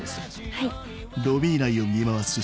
はい。